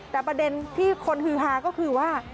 แต่ประเด็นที่คนฮือฮาก็คือว่า